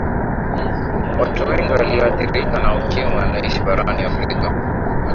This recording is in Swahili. watu wengi waliyoathirika na ukimwi wanaishi barani afrika